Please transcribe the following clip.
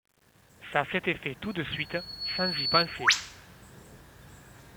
Ça s'était fait tout de suite, sans y penser.